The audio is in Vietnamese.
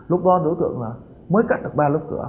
lúc đó đối tượng mới cắt được ba lớp cửa